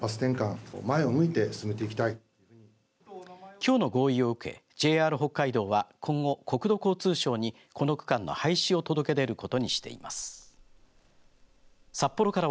きょうの合意を受けＪＲ北海道は今後国土交通省に、この区間の廃止を届け出ることにしています。